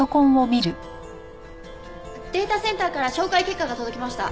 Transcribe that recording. データセンターから照会結果が届きました。